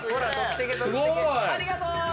ありがとう！